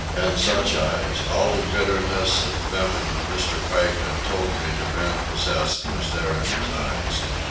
And such eyes! All the bitterness and venom Mr. Pike had told me the man possessed was there in his eyes.